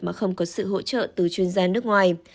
mà không có sự hỗ trợ từ chuyên gia nước ngoài